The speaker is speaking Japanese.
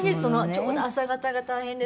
ちょうど朝方が大変です。